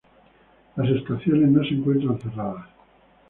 Las estaciones no se encuentran cerradas.